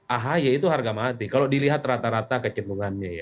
ahy itu harga mati kalau dilihat rata rata kecenderungannya ya